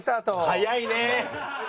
早いね。